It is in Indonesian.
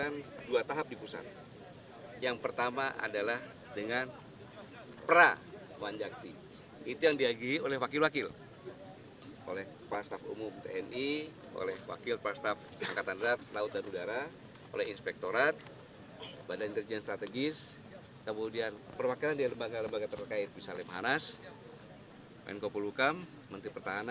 maka denger ke depan prajurit prajurit tersebut